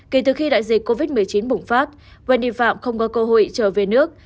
kể từ khi đại dịch covid một mươi chín bùng phát enifạm không có cơ hội trở về nước